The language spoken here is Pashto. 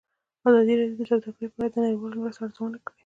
ازادي راډیو د سوداګري په اړه د نړیوالو مرستو ارزونه کړې.